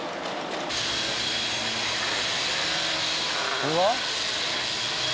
これは？